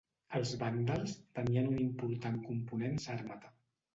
Els vàndals tenien un important component sàrmata.